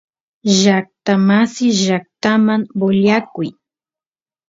llaqtamasiy llaqtaman voliyakun